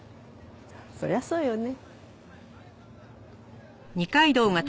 そりゃそうよね。